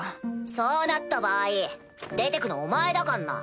そうなった場合出てくのお前だかんな。